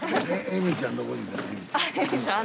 えみちゃん。